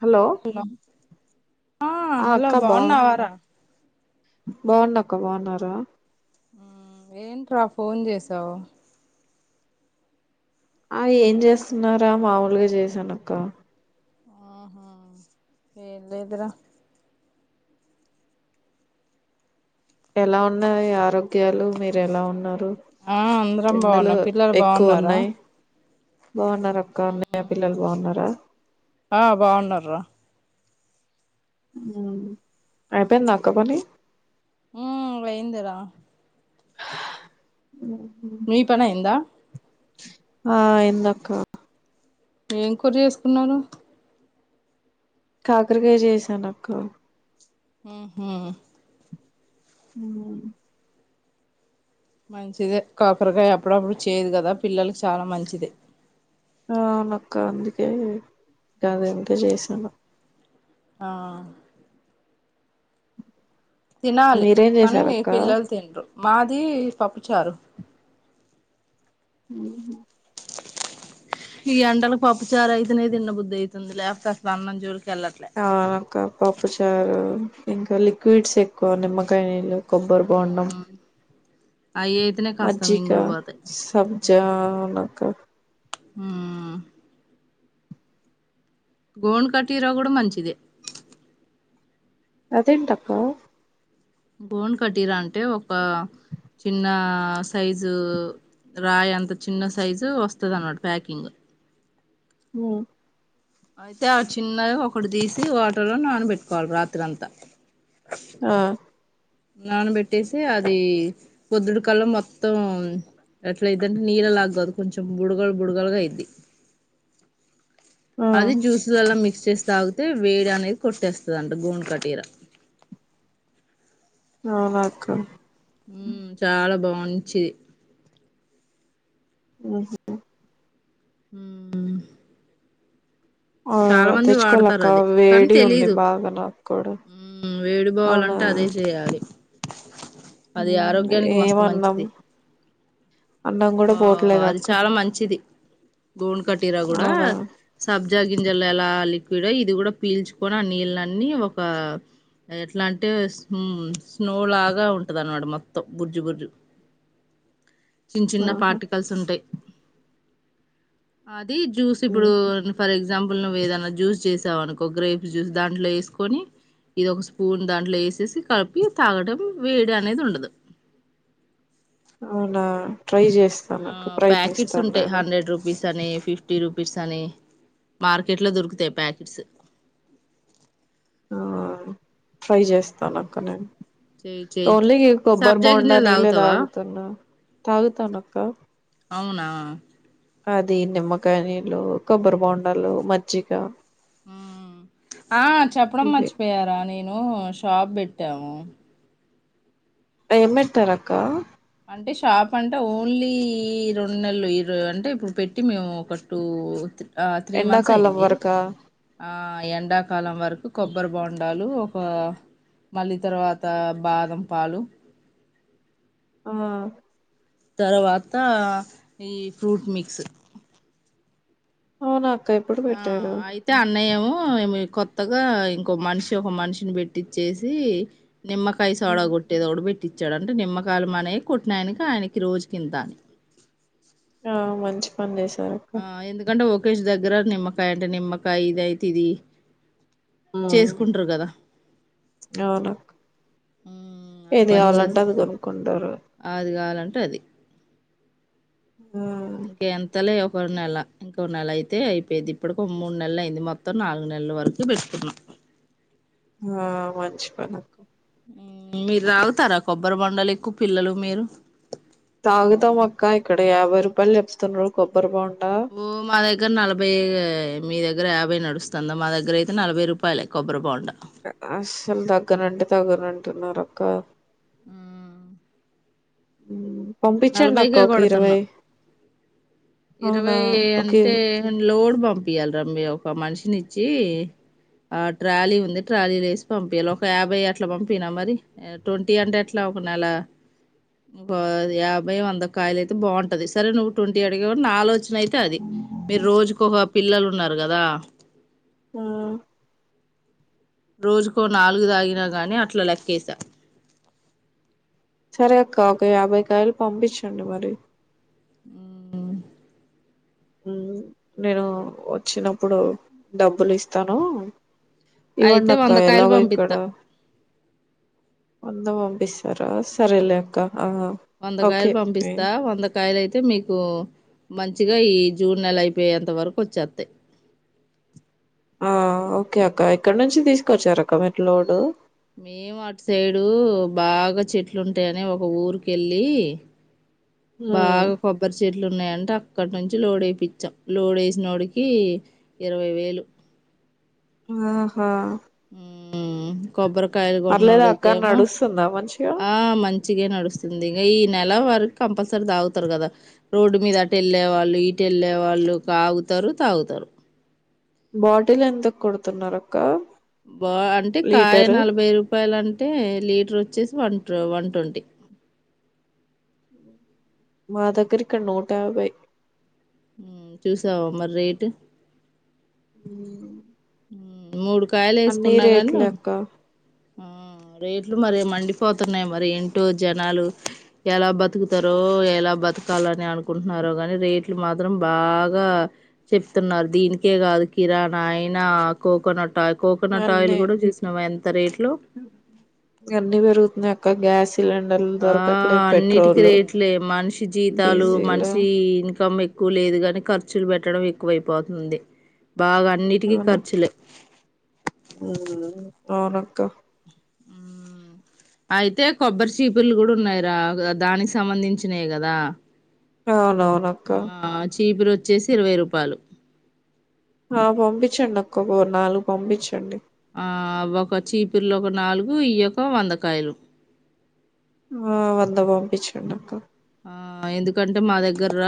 Hello ఆ hello అక్క బాగున్న బాగున్నావారా బాగున్నాక్క బాగున్నారా ఉ ఏంట్రా ఫోన్ చేసావు ఆ ఏం చేస్తున్నారా మాముూలుగా చేసానక్క ఆహా ఏమి లేదురా ఎలా ఉన్నాయి ఆరోగ్యాలు మీరు ఎలా ఉన్నారు ఆ అందరం ఎండలు బాగున్నాం పిల్లలు ఎక్కువ బాగున్నారా ఉన్నాయి బాగున్నారు అక్క అన్నయ్య పిల్లలు బాగున్నార ఆ బాగున్నారు రా ఉ అయిపోయిందా అక్క పని ఉ అయింది రా మీ పని అయిందా ఆ అయింద్ అక్క ఏం కూర చేసుకున్నారు కాకరకాయ చేసానక్క ఉహు ఉమ్ మంచిదే కాకరకాయ అప్పుడప్పుడు చేదు కదా పిల్లలకు చాలా మంచిదే అవునక్క అందుకే గదింక చేసాను ఆ తినాలి మీరేం కాని చేసారక్క పిల్లలు తిన్రు మాది పప్పుచారు ఉహు ఈ ఎండలకు పప్పుచారు అయితేనే దిన్నబుద్ది అయితుంది లేకపోతే అసలు అన్నం జోలికి వెళ్ళట్లే అవును అక్క పప్పుచారు ఇంకా లిక్విడ్స్ ఎక్కువ నిమ్మకాయ నీళ్ళు కొబ్బరి బొండం ఉమ్ అయి అయితేనే కాస్తా మింగుడు పోతయి సబ్జా ఉమ్ అవునక్క ఉమ్ గోన్ కటిర కూడా మంచిదే అదెంటక్క బోన్ కటీరా అంటే ఒక చిన్న సైజు రాయి అంత చిన్న సైజు వస్తది అన్నట్టు ప్యాకింగ్ ఉ అయితే ఆ చిన్నది ఒకటి తీసి వాటర్లో నానబెట్టుకోవాలి రాత్రంతా ఆ నానబెట్టేసి అది పొద్దుడు కల్లా మొత్తం ఎట్లైతదంటే నీళ్ళ లాగ గర్ కొంచెం బుడగలు బుడగలుగా అయిద్ది [inaudible] అది జ్యూస్లాల్లా మిక్స్ చేస్ తాగుతే వేడి అనేది కొట్టేస్తదంట గోన్ కటీర అవునా అక్క ఉమ్ చాలా బా ఉంచిది ఉహు ఉమ్ ఆ తెచ్చుకోవాలక్క వాడతారు అది వేడి ఉంది బాగా నాక్ కూడా ఉమ్ వేడి అవునా బోవాలంటే అదే చెయాలి అది ఉమ్ ఆరోగ్యానికి ఏం మస్తు అన్నం మంచిది అన్నం కూడా ఆ పోవట్లేదు అది అక్క చాలా మంచిది గోన్ కటిరా కూడా అవునా సబ్ గింజలు ఎలా లిక్విడో ఇది కూడా పీల్చుకొని ఆ నీళ్ళన్నీ ఒక ఎట్లా అంటే హమ్ స్నో లాగా ఉంటది అన్నమాట మొత్తం బుర్జు బుర్జు [inaudible] చిన్ చిన్న ఆహా పార్టికల్స్ ఉంటయి అది జ్యూస్ ఉమ్ ఇప్పుడు ఫర్ ఎగ్జా ఎగ్జాంపుల్ నువ్వు ఏదైన్నా జ్యూస్ చేసావు అనుకో గ్రేప్స్ జూస్ దాంట్లో ఏసుకొని ఇది ఒక స్పూన్ దాంట్లో ఎసేసి కలిపి తాగటం వేడి అనేది ఉండదు అవునా ట్రై చేస్తానక్క ప్రయత్నిస్తా నేను తని ఫిఫ్టీ రూపీస్ అని మార్కెట్ లో దొరుకుతయి ప్యాకెట్స్ ఆ ట్రై చేస్తానక్క నేను. చెయి చెయి ఓన్లీ ఈ కొబ్బరి సబ్జా బోండా గింజలు నీళ్లే తాగుతావా తాగుతున్నా, తాగుతానక్క. అవునా అది నిమ్మకాయ నీళ్లు, కొబ్బరి బొండలు, మజ్జిగ. ఉ ఆ చెప్పడం ఇవి మర్చిపోయారా నేన్. ను షాప్ బేట్టాము ఏం పెట్టారక్క అంటే షాప్, అంటే ఓన్లీ రెండు నెల్లు ఇర్ అంటే ఇప్పుడు పెట్టి మేము ఒక టూ, త్రి. ఆ త్రీ మంత్స్ ఎండాకాలం అయ్యింది వరకా ఆ ఎండాకాలం వరకు కొబ్బరి బోండాలు. పా మళ్ళీ తర్వాత బాదం పాలు. పా తర్వాత ఈ ఫ్రూట్ మిక్స్. అవున ఆ అయితే అన్నయ్య ఏమో మో ఏమో ఏ కొత్తగా ఇంకో మనిషి ఒక మనిషిని పెట్టిచ్చేసి. నిమ్మకాయ సోడ గొట్టేదొకడు పె ట్టిచ్చాడంట. నిమ్మకాయలు మనయి కొట్టినయనకి ఆయనకి రోజు కింత. [inaudible] ఆ మంచి పని జెశ ఆ ఎందుకంటే ఓకేష్ దగ్గర నిమ్మకాయ అంటే నిమ్మకాయి ఇదైతే ఇది. అమ్మో చేసుకుంటారు కదా అవున [unintelligible] మ్ ఆ పని చేసా కొనుక్కుంటారు అది కావాలంటే అది. ఉమ్ ఇంకెంత లేవు ఒక నెల ఇంకో నెలైతే అయిపేది ఇప్పడుకు మూన్నెలైంది. మొత్తం నాలుగు నెల్లు వరకు పెట్టుకున్నాం. హ మంచి పని మ్ మీరు తాగుతారా కొబ్బరి బోండాలు ఎక్కు పిల్లలు మీరు? తాగుతాంమక్క. ఇక్కడ యాభై రూపాయలు చెప్తుండ్రు కొబ్బరి బోం ఓ మా దగ్గర నలభై [unintelligible] మీ దగ్ గ్గర యాభై నడుస్తందా మా దగ్గరయితే నలభై రూపాయలే కొబ్బరి బోండా. ఆ అస్సల్ తగ్గనంటే తగ్గనంటున్నారక్క. ఉ పంపించండక్క నలభైకే ఒక ఇరవై. కొడుతున్నాం అవునా ఇరవై ఓకే అంటే లోడ్ పంపియాల్ రా మీ ఒక మనిషినిచ్చి. ఆ ట్రాలీ ఉంది. ట్రాలీలోయేసి పంపియాల ఒక యాభై అట్లా, పంపిన మరి య ట్వంటీ అంటే ఎట్లా? ఒక నెల [unintelligible] యాభై, వంద కాయలైతే బావుంటది సరే నువ్వు ట్వంటీ. [unintelligible] [unintelligible] డు నా ఆలోచనైతే అది మీర్రోజుకోక పిల్లలున్నారు కదా! హు రోజుకో నాలుగు తాగినా గాని అట్లా లెక్కేసా. సరే అక్క ఒక యాభైకాయలు పంపిచండి మరి. మ్ మ్మ్ మ్ నేను వచ్చినప్పుడు డబ్బులిస్తాను. అయితే ఇవ్వండక్క వందకాయలు ఎలాగో ఇక్కడ పంపిస్తా అం [unintelligible] పంపిస్సర్. ఆ సరేలేక్క ఆ ఓకే [unintelligible] కాయలైతే మీకు మంచిగా ఈ జూన్ నెల అయిపోయేంత వరకు వచ్చేతయ్. [inaudible] ఆ ఓకే అక్క ఎక్కడ నుంచి తీసుకొచ్చారక్క మీరు లోడు. మేము అట్సైడు బాగా చెట్లుంటాయని ఒక ఊరికెళ్ళి. హ్మ్. బాగా కొబ్బరి చెట్లు ఉన్నాయంటే అక్కడి నుంచి లోడ్ వేయిచ్చాం లోడ్ వేసినోడికి ఇరవై వేలు ఓహో ఉమ్ కొబ్బరికాయలు పర్లేదా అక్క కొన్నోడికేమో నడుస్తుందా మంచిగా ఆ మంచిగా నడుస్తుంది ఇంకా ఈ నెల వారికి కంపల్సరీ తాగుతారు కదా రోడ్డు మీద అటు వెళ్ళే వాళ్ళు ఇటు వెళ్ళే వాళ్ళు కాగ్ తారు తాగుతారు బాటిల్ ఎంతకు కొడుతున్నారు అక్క బా అంటే కాయ లీటరు నలభై రూపాయలంటే లీటర్ వచ్చేసి వంట ట్రూ వన్ ట్వంటీ మా దగ్గరిక్కడా నూట యాభై ఉమ్ చూసావా మరి రేటు ఉమ్ ఉమ్ మూడు కాయలు వేసుకున్నా కానీ రేట్లు ఆ అక్క ఆ రేట్లు మరి మండిపోతున్నాయి మరి ఏంటో జనాలు ఎలా బతుకుతారో ఎలా బతకాలని అనుకుంటున్నారోగాని రేట్లు మాత్రం బాగా చెప్తున్నారు దీనికే కాదు కిరాణా అయినా కోకోనట్ ఆయిల్ కోకోనట్ ఆయిల్ కూడా చూసినావా ఎంత రేట్ ఇగా అన్ని పేరుగుతున్నాయక్క గ్యాస్ సిలిండర్లు ఆ దొరకట్లే అన్నిటికి పెట్రోల్ రేట్లే మనిషి జీతాలు డీజిల్ మనిషి ఇన్కమ్ ఎక్ క్కువ లేదు గాని ఖర్చులు పెట్టడం ఎక్కువైపోతుంది బాగా అన్నిటికీ ఖర్చులే అవునునక్క అయితే కొబ్బరి చీపులు కూడా ఉన్నాయిరా దానికి సంబంధించినాయే కదా అవునవునక్క ఆ చీపురు వచ్చేసి ఇరవై రూపాయలు ఆ పంపించండి ఒక్క ఓ నాలుగు పంపించండి ఆ ఒక చీపిర్లు ఒక నాలుగు ఈ యొక వందకాయలు ఆ వద్ద పంపించండి అక్క ఆ ఎందుకంటే మా దగ్గర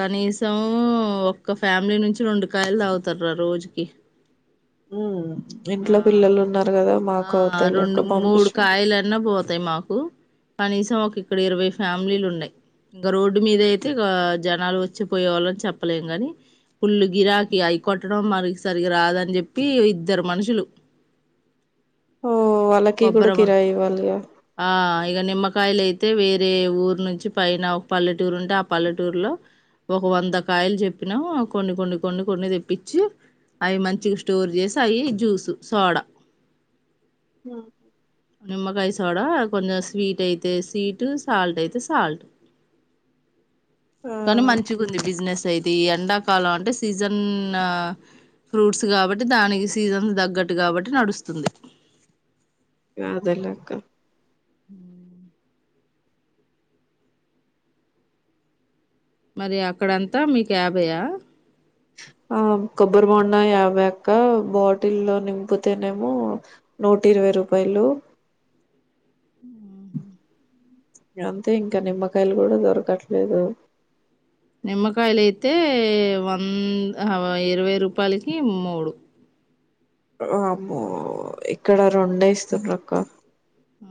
కనీసం ఒక్క ఫ్యామిలీ నుంచి రెండ్ రెండు కాయలు తగుతారు రా రోజీకి ఉమ్ ఇంట్లో పిల్లలు ఉన్నారు కదా మాకు ఆ అవుతాయి రెండు లేక మూడు పంపించండి కాయలన్నా పోతాయి మాకు కనీసం ఒక ఇక్కడ ఇరవై ఫ్యామిలీలు ఉన్నాయి ఇంకా రోడ్డు మీద అయితే ఇగా జనాలు వచ్చిపోయవాళ్ళని చెప్పలేము గాని పుల్లు గిరాకి అయి కొట్టడం మరి సరికి రాదని చెప్పి ఇద్దరు మనుషులు [inaudible] ఓ వాళ్ళకి కూడా కొబ్బ్రమా కిరాయి ఇవ్వాలిగా ఆ ఇగా నిమ్మకాయలైతే అయితే వేరే ఊరు నుంచి పైన ఒక పల్లెటూరు ఉంటే ఆ పల్లెటూరులో ఒక వంద కాయలు చెప్పినాము కొన్ని కొన్ని కొన్ని కొన్ని తెప్పించి అవి మంచిగా స్టోర్ చేసి అవి జ్యూసు సోడా ఆహా నిమ్మకాయ సోడా కొంచెం స్వీట్ అయితే స్వీట్ సాల్ట్ అయితే సాల్ట్ [inaudible] కానీ మంచిగా ఉంది బిజినెస్ అయితే ఈ ఎండాకాలం అంటే సీజన్ ఫ్రూట్స్ కాబట్టి దానికి సీజన్స్ తగ్గట్టు కాబట్టి నడుస్తుంది యదేలే అక్క ఉ మరి అక్కడ ఎంత మీకు యాబేయా [inaudible] ఆ కొబ్బరి బొండా యాభై అక్క బాటిల్ లో నింపితేనేమో నూట ఇరవై యాబై రూపాయలు అంతే ఇంకా నిమ్మకాయలు కూడా దొరకట్లేదు నిమ్మకాయలు అయితే వంద ఇరవై రూపాయలకి మూడు ఆ ఇక్కడ రెండే ఇస్తున్నారు అక్క ఆ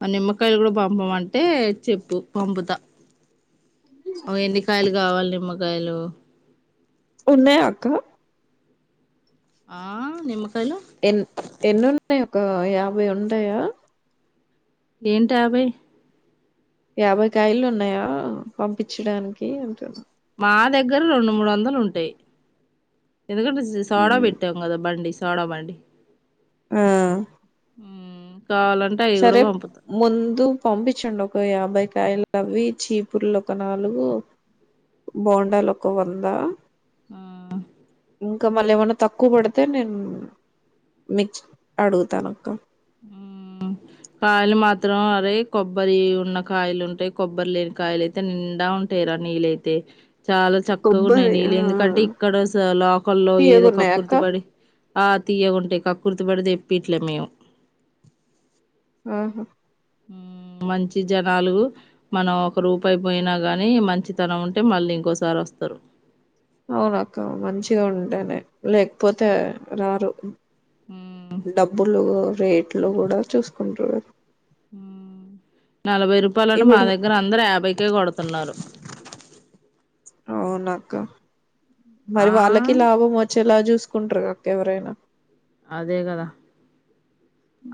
మన నిమ్మకాయలు కూడా పంపమంటే చెప్పు పంపుతా ఎన్నికాయలు కావాలి నిమ్మకాయలు ఉన్నాయా అక్క ఆ నిమ్మకాయ ఎన్ ఎన్ని ఉంటాయి ఒక యాభై ఉంటాయా ఏంటి యాబై యాభై కాయలు ఉన్నాయా పంపించడానికి అంటున్నా మా దగ్గర రెండు మూడు వందలు ఉంటాయి ఎందుకంట సోడా పెట్టాం బండి సోడా బండి ఆ హ్మ్. కావాలంటే అవి కూడా సరే పంపుతా ముందు పంపించండి ఒక యాభైకాయలు అవి చీపుర్లు ఒక నాలుగు బోండాలు ఒక వంద ఆ ఇంకా మళ్ళీ ఏమన్నా తక్కువ పడితే నేను మి అడుగుతాను అక్క ఉ కాయలు మాత్రం అరే కొబ్బరి ఉన్న కాయలు ఉంటాయి కొబ్బరి లేని కాయలు అయితే నిండా ఉంటేరా నీలైతే చాలా చక్కగా ఉన్నాయి కొబ్బరి ఆ నీళ్ళు ఎందుకంటే ఇక్కడ లోకల్లో ఏదో తీయగున్నాయా అక్క కక్కుర్తి పడి తీయగా ఉంటాయి ఆ కక్కుర్తి పడి తెప్పియట్లేదు మేము ఆహా మ్మ్, మంచి జనాలు మనం ఒక రూపు అయిపోయినా గాని మంచితనం ఉంటే మళ్ళీ ఇంకోసారి వస్తారు వస్తారు అవును అక్క మంచిగా ఉంటేనే లేకపోతే రారు ఉమ్ డబ్బులు రేట్లు కూడా చూసుకుంటరు ఉ నలభై రూపాయలు అని మా ఇప్పుడు దగ్గర అందరు యాభైకే కొడుతున్నారు అవున అక్క మరి ఆ వాళ్ళకి లాభం వచ్చేలా చూసుకుంటారు అక్క ఎవరైనా అదే కదా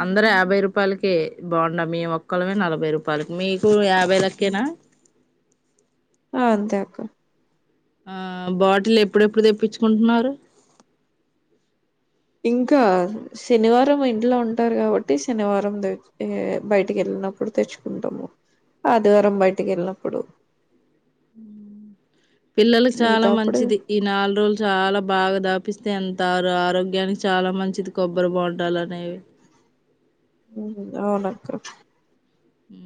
అందరు యాభై రూపాయలకె బోండా మీ ఒక్కలమే నలభై రూపాయకి మీకు యాభై లకేనా ఆ అంతే అక్క ఆ బాటిల్ ఎప్పుడెప్పుడు తెప్పించుకుంటున్నారు ఇంకా శనివారం ఇంట్లో ఉంటారు కాబట్టి శనివారం బయటికి వెళ్ళినప్పుడు తెచ్చుకుంటాము ఆదివారం బయటకి వెళ్ళినప్పుడు పిల్లలకి చాలా మిగతాప్పుడు మంచిది ఈ నాలుగు రోజులు చాలా బాగా దాపిస్తే ఎంత మంచిది ఆరోగ్యానికి చాలా మంచిది కొబ్బరి బోండాలు అనేవి అవునన్ కు మ్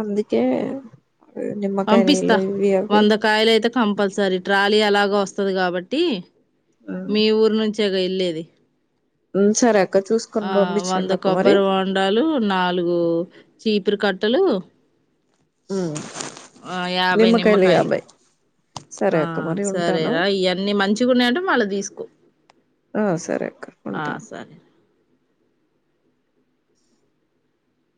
అందుకే నిమ్మకాయ పంపిస్తా నీలు ఇవి అవి వంద కాయలు అయితే కంపల్సరీ ట్రాలీ ఎలాగ వస్తుంది కాబట్టి మీ ఊరు నుంచి జగా ఏల్లెది మ్ సరే అ ఆ వంద కొబ్బరి వండాలు నాలుగు చీపురు కట్టలు, వా యాభై నిమ్మకాయలు సరే ఆ అక్క మరి ఉంటాను సరేరా ఇవన్నీ మంచిగాన్నాంటే మళ్ళ తీసుకో ఆ సరే ఆ కరుకుంటాను సరే